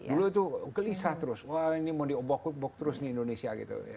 dulu itu gelisah terus wah ini mau dioboh oboh terus nih indonesia